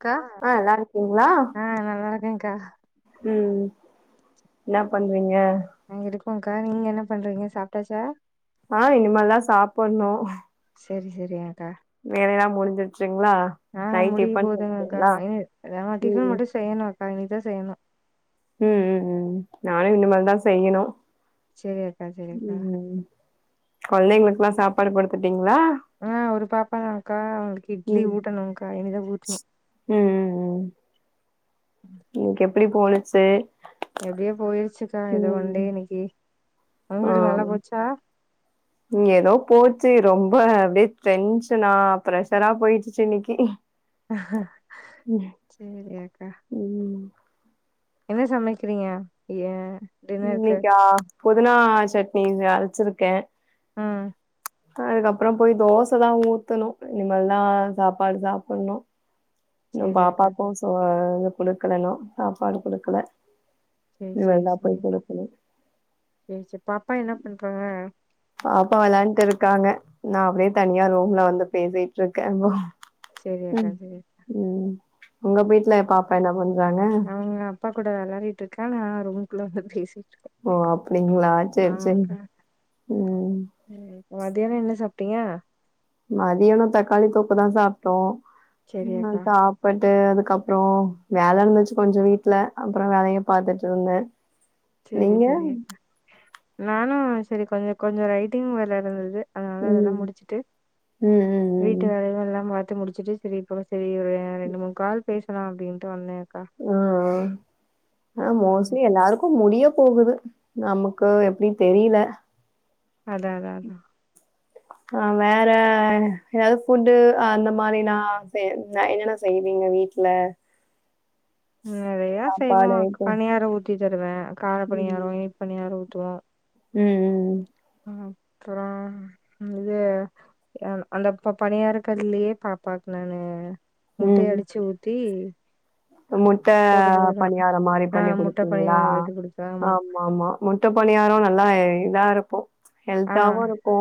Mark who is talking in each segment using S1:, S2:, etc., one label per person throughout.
S1: அக்கா
S2: ஆ நல்லா இருக்கீங்களா
S1: ஆ நல்லா இருக்கேன்க்கா
S2: ம் இன்னா பண்றீங்க
S1: நாங்க இருக்கோங்க்கா நீங்க என்ன பண்றீங்க சாப்ட்டாச்சா
S2: ஆ இனிமல்தா சாப்படுணு
S1: சேரி சேரி அக்கா
S2: வேலையல்லா முடிஞ்ச்சிருச்சுங்களா
S1: ஆ முடிக் போதுங்க அக்கா இனி அதா டிஃபன்
S2: ம்
S1: மட்டு செய்ணு அக்கா இனிதா செய்ணு
S2: ம் ம் ம் நானு இனிமேல் தா செய்யணு
S1: செரி அக்கா செரி அக்கா
S2: ம் கொழந்தைங்களுக்குலா சாப்பாடு குடுத்துட்டீங்களா
S1: ஆ ஒரு பாப்பாதாருக்கா அவளுக் இட்லி ஊட்டணுங்கா இனிதா ஊட்ணு
S2: உம் உம் உம்
S1: ம்
S2: இன்க்கு எப்டி போலுச்சு
S1: எப்டியே போயிருச்சுக்கா ஏதோ ஒண்டே இன்னைக்கு
S2: ஆ
S1: அவங்ளுக் நல்லா போச்சா
S2: ஏதோ போச்சு ரொம்ப அப்டியே டென்ஷனா ப்ரஷரா போயிருச்சு இன்னைக்கு
S1: சேரி அக்கா
S2: உம்
S1: என்ன சமைக்கறீங்க ஏ டின்னருக்கு
S2: இன்னைக்கா புதினா சட்னி அரைச்சிருக்கே
S1: ம்
S2: அதுக்கப்றோ போய் தோச தா ஊத்தணு இனிமல்தா சாப்பாடு சாப்படுணு இன்னு
S1: செரி அக்கா
S2: பாப்பாக்கு சோ இ குடுக்கலன்னு சாப்பாடு குடுக்கல
S1: சேரி சேரி
S2: இனிமேல் தான் போய்
S1: சேரி
S2: குடுக்கணும்.
S1: சேரி சேர் பாப்பா என்ன பண்றாங்க
S2: பாப்பா விளாண்ட்டு இருக்காங்க நா அப்டியே தனியா ரூம்ல வந்து பேசிட்டு இருக்கே
S1: சேரி அக்கா சேரி
S2: ம் உங்க வீட்ல பாப்பா என்ன பண்றாங்க
S1: அவங்க அப்பா கூட விளாடிட்டு இருக்கா நா ரூமக்குள்ள வந்து பேசிட்டிருக்கே
S2: ஓ அப்டிங்களா சேரி சேரி உம்
S1: மதியானோ என்ன சாப்ட்டீங்க
S2: மதியானோ தக்காளி தொக்கு தா சாப்ட்டோ
S1: செரியாக்கா
S2: [unintelligible] பட்டு அதுக்கப்றோ வேல இருந்ச்சு கொஞ்ச வீட்ல அப்றோ வேலைய பாத்துட்டிருந்தே [inaudible]
S1: சேரி சேரி நானு செரி கொஞ்சோ கொஞ்சோ ரைட்டிங் வேல இருந்தது அதுனால அதெல்லா
S2: ம்.
S1: முடிச்சுட்டு
S2: ம்
S1: வீட்டு
S2: ம்
S1: வேலைகள்லா பாத்து முடிச்சுட்டு சரி இப்பதா செரி ஒரு ரெண்டு மூணு கால் பேசலா அப்டின்ட்டு வந்தே
S2: ம் ம் ஆனா
S1: ம்
S2: மோஸ்ட்லி எல்லாருக் கு முடிய போகுது நமக்கு எப்டின் தெரில
S1: அதா அதா அதா
S2: நா வேற எதாது ஃபுட்டு அந்த மாரினா செய் ன என்னென்ன செய்வீங்க வீட்ல
S1: ம் நெறையா செய்வோ
S2: சாப்பாடு ஐட்டம்
S1: பணியாரோ ஊத்தி தருவ கார பணியாரோ இனிப்பு பணியாரோ ஊத்துவோ
S2: ம் ம் ம்
S1: ம் அப்புறோ இந்தது அ அந்த ப பணியார கல்லியே பாப்பாக்கு நானு முட்டய
S2: ம்
S1: அடிச்சு ஊத்தி
S2: முட்ட
S1: போட்டு குடுத்துருவ
S2: பணியாரோ மாரி
S1: ஆ
S2: பண்ணி
S1: முட்ட
S2: குடுப்பீங்ளா
S1: பணியார எடுத்து குடுத்த ஆமா
S2: மாவு ஆமா முட்ட பணியாரோ நல்லா இதா இருக்கு
S1: ஆ
S2: ஹெல்தாவு இருக்கு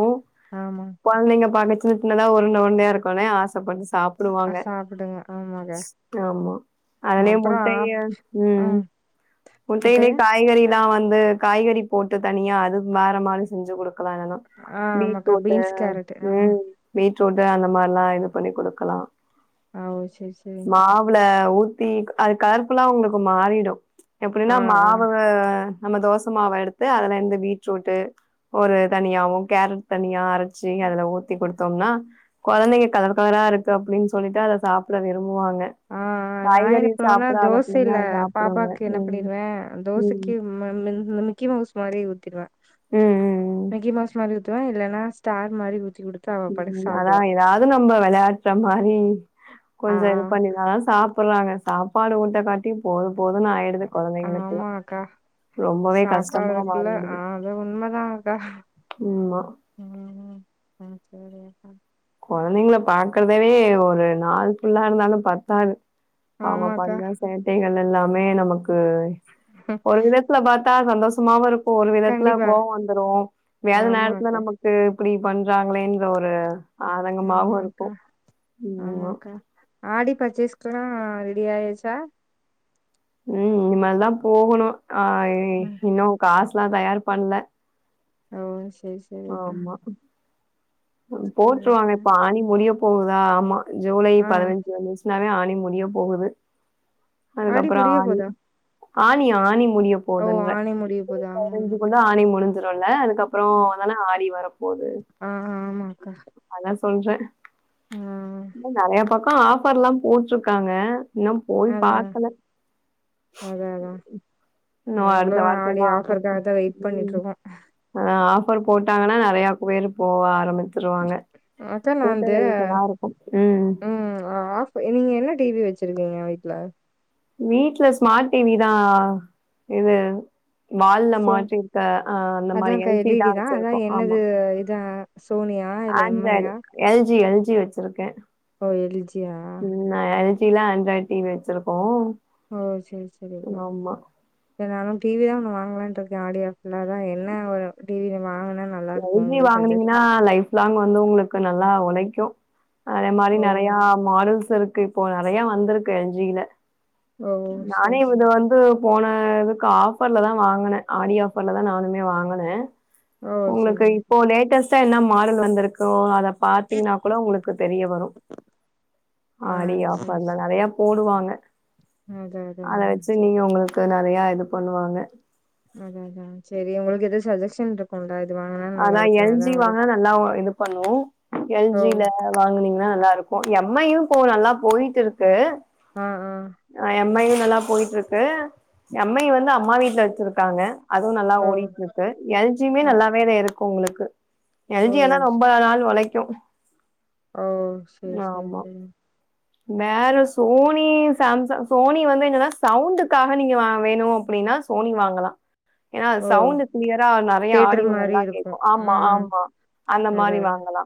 S1: ஆமா
S2: கொழந்தைங்க பாக்க சின்ன சின்னதா உருண்ட உருண்டையா இருக்கோனே ஆசப்பட்டுஸ்
S1: அ
S2: சாப்புடுவாங்க
S1: சாப்டுங்க ஆமாக்கா
S2: ஆமா அதுலே
S1: அப்றோ ஆப்
S2: முட்டைய ம் முட்டைலே
S1: முட்டைய
S2: காய்கறிலா வந்து காய்கறி போட்டு தனியா அது வேற மாரி செஞ்சு குடு க்கு வேணுனா
S1: ஆ ஆமாக்கா
S2: பீட்ரூட்டு
S1: பீன்ஸ் கேரட் ஆமா
S2: ம் பீட்ரூட்டு அந்த மார்லா இது பண்ணி குடுக்குலா
S1: அ ஒ செரி செரிங்க்கா
S2: வுல ஊத்தி அது கலர்ஃபுல்லா உங்ளுக்கு மாறிடு
S1: ஆ
S2: எப்புடினா
S1: ஆ
S2: மாவு நம்ம தோசமாவ எடுத்து அதுல இருந்து பீட்ரூட்டு ஒரு தனியாவும கேரட் தனியா அர ச்சு அதுல ஊத்தி குடு த்தோனா கொழந்தைங்க கலர் கலரா இருக்கு அப்டின் சொல்லிட்டு அத சாப்ட விரும்புவாங்க
S1: ஆ ஆ நான்
S2: காய்கறி
S1: என்ன பண்ணுவனா
S2: சாப்பிடாத பிள்ளைங்க
S1: தோசேல
S2: அத சாப்பிடுங்க
S1: பாப்பாக்கு என்ன
S2: ம்
S1: பண்ணிருவே
S2: ம்
S1: தோசைக்கு ம மின் ம் மிக்கி மவுஸ் மாரி ஊத்திருவ
S2: ம் ம்
S1: மிக்கி மவ்ஸ் மாரி ஊத்துவ இல்லனா ஸ்டார் மாரி ஊத்தி குடு
S2: ம் அதா எதாது நம்ம வெளாட்ற மாரி
S1: ஆ
S2: கொஞ்சோ இது பண்ணினாதா சாப் புறாங்க சாப்பாடு ஊட்ட காட்டி போது போதுன் ஆய்டுது கொழந்தைங்ளுக்குலா
S1: சாப்பறதுக்குள்ள ஆ அது உண்மதான்கா
S2: ஆமா
S1: இன்னு ஒன்னுமே அது செய்லயாக்கா
S2: கொழந்தைங்குல பாக்குறதவே ஒரு நாள் ஃபுல்லா இருந்தாலு பத்தாது அவ்ங்க
S1: ஆமாக்கா
S2: பண்ற சேட்டைகள் எல்லாமே நமக்கு ஒரு விதத்துல பாத்தா சந்தோஷமாவு இருக்கு ஒரு விதத்துல
S1: கண்டிப்பா
S2: கோவோ வந்துரு வேல நேரத்துல
S1: ஆமாக்கா
S2: நமக்கு இப்புடி பண்றாங்களேன்ற ஒரு ஆதங்கமாவு இருக்கு
S1: ஆமாக்கா
S2: இவ்ங்கெல்லா
S1: ஆமாக்கா ஆடி பர்சேஸ்க்குலா ரெடி ஆயாச்சா
S2: ம் இனுமேல்தா போகணு ஆ இ
S1: ம்
S2: இன்னு காஸ்லா தயார் பண்ல
S1: ஓ சேஸ்
S2: ஆமா
S1: சேரி
S2: போட்ருவாங்க
S1: அக்கா
S2: இப்ப ஆனி முடிய போகுதா ஆமா ஜூலை
S1: ஆ
S2: பதினஞ்சு வந்துச்னாவே ஆனி முடிய போகுது அதுக்கப்புறோ
S1: முடிய
S2: ஆடி
S1: போதா
S2: ஆனி ஆனி
S1: ஓ
S2: முடியப்போதுன்ற
S1: ஆனி முடிய போது ஆமா ஆமா
S2: இனிக்குள்ள ஆனி முடிஞ் சிருல்ல அதுக்கப்பற வந்தனா ஆடி வரப்போது
S1: ஆ
S2: அதா சொல்றே
S1: ம்
S2: நெறைய பக்க ஆஃபர்ல்லா போட்ருக்காங்க இன்னு போய்
S1: அதா
S2: பாக்கல
S1: அதா அதா
S2: இன்னு
S1: நாங்களு
S2: அடுத்த
S1: ஆடி
S2: வாரத்துலலா ஆஃபர்
S1: ஆஃபருக்காகதா வெயிட்
S2: ம்
S1: பண்ணிட்ருக்கோ
S2: ஆ ஆஃபர் போட்டாங்கன்னா நெறையா பேரு போக ஆரம்பிச் சுருவாங்க
S1: அக்கா நா வந்து
S2: கூட்டநெரிசலா இருக்கு ம்
S1: ம் ஆஃப் நீங்க என்ன டி வி வெச்சிருக்கிங்க வீட்ல
S2: வீட்ல ஸ்மார்ட் டி வி தா இது வால்ல
S1: சோ
S2: மாட்டிர்க்க அ அந்த மாரி எல் ஜி தா வெச்சிருக்கோ ஆமா
S1: ஓ இதா சோனியா இல்ல M I
S2: Android
S1: yeah
S2: L G L G வெச்சிருக்கே
S1: ஓ எல் ஜி யா
S2: நா எல் ஜி ல ஆண்ட்ராய்ட் டி வி வெச்சிருக்கோ
S1: ஓ சேர் செரிப்பா நானு டி வி தா ஒன்னு வாங்கலான்ட்டு இருக்கே ஆடி ஆஃபர்ல அதா என்ன ஒரு டி வி வாங்குனா நல்
S2: எல் ஜி வாங்குனிங்கனா லைஃப் லாங் வந்து உங்களுக்கு நல்லா உழைக்கு அதே மாரி
S1: ஓ
S2: நெறையா மாடல்ஸ் இருக்கு இப்போ நெறையா வந்திருக்கு எல் ஜில
S1: ஓ
S2: நானே
S1: செரி
S2: இது
S1: செரி
S2: வந்து போன இதுக்கு ஆஃபர்லதா வாங்குனே ஆடி ஆஃபர்லதா நானுமே வாங்குனே
S1: ஓ
S2: உங்களுக்கு
S1: செரி
S2: இப்போ லேட்டஸ்ட்டா என்ன மாடல் வந்திருக்கோ அத பாத்திங்னா கூட உங்களுக்கு தெரிய வரு
S1: ஆ
S2: ஆடி
S1: செரி
S2: ஆஃபர்ல நெறையா போடுவாங்க
S1: அதா அதா
S2: அத
S1: அதா
S2: வெச்சு
S1: செரி
S2: நீங்க உங்களுக்கு நெறையா இது பண்ணுவாங்க
S1: அதா அதா செரி உங்களுக்கு எதா சஜெஷன் இருக்குல்ல இது வாங்குனா நல்லா இருக்குனு அதா ஒரு
S2: நல்லாவு இது பண்ணு எல்
S1: ஓ
S2: ஜி ல வாங்குனிங்கனா நல்லாருக்கு எம் ஐ யு இப்போ நல்லா போயிட்ருக்கு
S1: ஆ ஆ
S2: எம் ஐ யு நல்லா போய்ட்ருக்கு எம் ஐ வந்து அம்மா வீட்ல வெச்சிருக்காங்க அதுவு நல்லா
S1: ஓ
S2: ஓடிட்ருக்கு எல் ஜி யுமே
S1: ஓ
S2: நல்லாவே இருக்கு உங்களுக்கு எல்
S1: ஓ
S2: ஜி ஆனா ரொம்ப நாள் ஒழைக்கு
S1: ஓ செரி செரி
S2: ஆமா
S1: செரி
S2: வேற சோனி சாம்ச சோனி வந்து என்னனா சவுண்டுக்காக நீங்க வா வேணு அப்படினா சோனி வாங்கலா ஏனா அது
S1: ஓ
S2: சவுண்ட் கிளியரா நெறையா
S1: தேட்டர்
S2: ஆடியோ
S1: மாரி
S2: நல்லா
S1: இருக்கு
S2: கேக்கு ஆமா
S1: ம்
S2: ஆமா அந்த மாரி வாங்கலா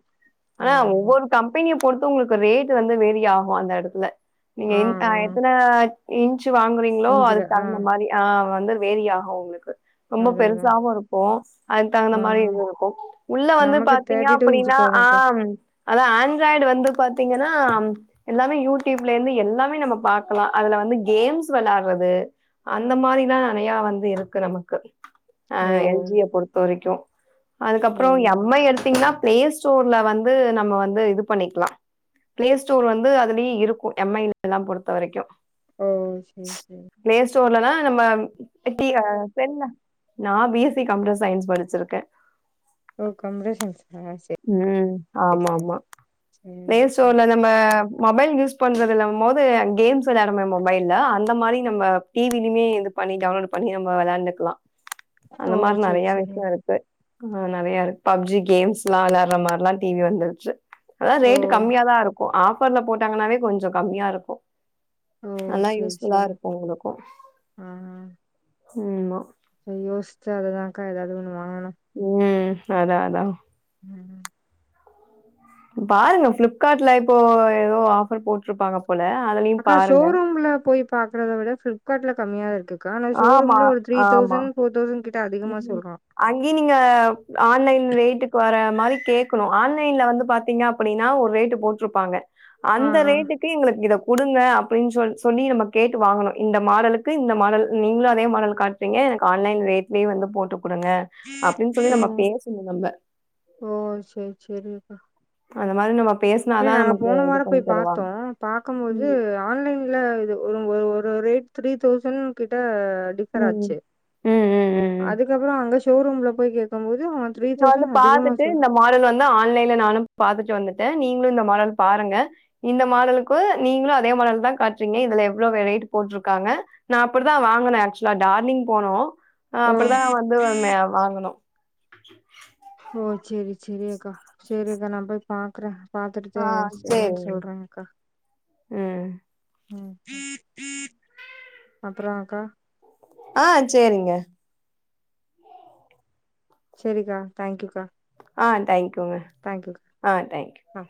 S1: அதாங்க
S2: கம்பெனிய பொருத்து உங்களுக்கு ரேட் வந்து வேரி ஆகு அந்த எடத்துல நீங்க
S1: ஆ
S2: அ
S1: ஆ
S2: எத்தன இன்ச்சு வாங்குறிங்ளோ
S1: இஞ்சுல
S2: அதுக்
S1: ஆ
S2: தகுந்த மாரி ஆ வந்து வேரியாகு உங்ளுக்கு ரொம்ப
S1: அதா அதா
S2: பெருசாவு இருக்கு அதுக்கு தகுந்த
S1: ஆ
S2: மாரி இது இருக்கு உள்ள வந்து
S1: நமக்கு
S2: பாத்திங்க
S1: தேர்ட்டி டூ இன்ச்சு
S2: அப்பிடினா ஆ
S1: போதுக்கா
S2: ம் அதா ஆண்ட்ராய்டு வந்து பாத்திங்கன்னா எல்லாமே யூடியூப்ல இருந்து எல்லாமே நமக் பாக்கலா அதுல வந்து கேம்ஸ் வெளாடறது அந்த மாரிதா நெறையா வந்து இருக்கு நமக்கு அ
S1: ஓ
S2: எல் ஜி ய பொறுத்த வரைக்கு
S1: ஓ
S2: அதுக்கப்றோ எம் ஐ எடுத்திங்னா பிளே ஸ்டோர்ல வந்து நம்ம வந்து இது பண்ணிக்கலா பிளே ஸ்டோர் வந்து அதுலயே இருக்கு எம் ஐ எல்லா பொறுத்த வரைக்கு
S1: ஓ சேரி சேரி
S2: பிளே ஸ்டோர்லலா நம்ம எட்டி ஆ தெர்ல நா B S C computer science படிச்சிருக்கே
S1: ஓ கம்யூடர் சயின்ஸ்கா செரி
S2: ம் ஆமா ஆமா ப்ளே
S1: சேரிக்கா
S2: ஸ்டோர்ல தா நம்ம மொபைல் யூஸ் பண்றதுல்லேங்கம்போது கேம்ஸ் வெளாடுமே மொபைல்ல அந் அந்த மாரி நம்ம டி வி லுமே இது பண்ணி டவுன்லோட் பண்ணி நம்ம வெளாண்டுக்கலா
S1: ஓ
S2: அந்த மாரி
S1: சேரி
S2: நெறையா
S1: சேரி
S2: விஷயோ இருக்கு ஏ கு நெறையா இருக்கு பப்ஜி கேம்ஸ்லா வெளாடுற மாரிலா டி வி வந்துருச்சு அதா
S1: ஓ
S2: ரேட் கம்மியாதா இருக்கு ஆஃபர்ல போட்டாங்கனாவே கொஞ்சோ கம்மியா இருக்கு
S1: ஓ
S2: நல்லா
S1: சேரி
S2: யூஸ்ஃபுல்லா
S1: சேரி
S2: இருக்கு உங்களுக்கு ம் மா
S1: செரி யோசிச்சு அததாக்கா ஏதாவது ஒன்னு வாங்கணு
S2: ங்ய அதா அதா
S1: ம்
S2: பாருங்க ஃப்ளிப்கார்ட்ல இப்போ ஏதோ ஆஃபர் போட்ருப்பாங்க போல அத நீ
S1: அக்கா ஷோரூம்ல போய்ப் பாக்றதவிட ஃபிளிப்கார்ட்ல கம்மியா இருக்கு கா ஆன
S2: ஆமா
S1: ஷோரூம்ல ஒரு த்ரீ தௌசண்ட் ஃபோர் தௌசண்ட் கிட் அதிகமா சொல்றா
S2: அங்கயு நீங்க ஆன்லைன் ரேட்டுக்கு வர மாதிரி கேட்கணு ஆன்லைன்ல வந்து பாத்தீங்க அப் அப்டின்னா ஒரு ரேட்டு போட்ருப்பாங்க
S1: ஆ
S2: அந்த
S1: ஆ
S2: ரேட்டுக்கு கே எங்களுக்கு இத குடுங்க அப்டின்னு சொ சொல்லி நம்ம கேட்டு வாங்கணு இந்த மாடலுக்கு இந்த மாடல் நீங்களு அதே மாடல காட் றீங்க எனக்கு ஆன்லைன் ரேட்லயே வந்து போட்டு குடுங்க அப்டின்னு சொல்லி
S1: ஓ
S2: நம்ம பேசணும நம்ம
S1: ஓ சேரி சேரி அக்கா
S2: அந்த மாரி நம்பப்
S1: இல்ல நாங்க போன வாரோ போய் பாத்தோ பாக்கபோது
S2: ம்
S1: ஆன்லைன்ல இது ஒரு ஒரு ஒரு ரேட் த்ரீ தௌசண்ட் கிட்ட டிஃபர்
S2: ம்
S1: ஆச்சே
S2: ம் ம் ம் ம்
S1: அதுகப்பறோ அங்க ஷோரூம்ல போய் கே க்கு போது அவ த்ரீ
S2: இத வந்து
S1: தௌசண்ட் அதிகமா
S2: பாத்துட்டு
S1: சொல்றா
S2: மாடல் இந்த ஆன்லைன்ல நானு பாத்துட்டு வந்துட்டே நீங்களு இந்த மாடல் பாருங்க இந்த மாடலுக்கு நீங்களு அதே மாடல் தா காட்டுறீங்க இதுல எவ்ளோ வெ ரேட்டு போட்ருக்காங்க நா அப்டிதா வாங்கினே ஆக்சுவலா டார்னிங் போனோ ஹ
S1: ஓ
S2: அப்டிதா வந்து ஒன்னே வாங்கனு [inaudible]
S1: ஓ சேரி சேரி அக்கா சேரி அக்கா நா போய் பாக்குறே
S2: ஆ
S1: பாத்துட்டுதே சே என்னனு
S2: சரிங்க.
S1: சொல்றே கா
S2: ம்
S1: ம் அப்பறோ அக்கா
S2: ஆ சேரிங்க
S1: சேரிக்கா தேங்க்யூக்கா
S2: ஆ தேங்க்யூங்க
S1: தேங்க்யூ
S2: ஆ தேங்க்யூ
S1: ஆ